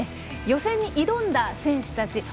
予選に挑んだ選手たち。